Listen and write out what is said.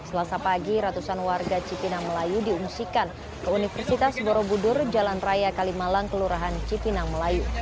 selasa pagi ratusan warga cipinang melayu diungsikan ke universitas borobudur jalan raya kalimalang kelurahan cipinang melayu